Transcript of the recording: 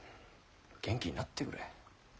元気になってくれ。